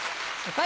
はい。